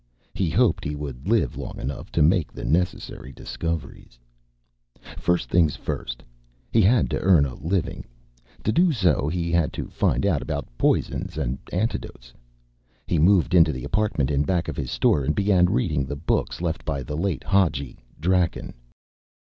He hoped he would live long enough to make the necessary discoveries. First things first. He had to earn a living. To do so, he had to find out about poisons and antidotes. He moved into the apartment in back of his store and began reading the books left by the late Hadji Draken.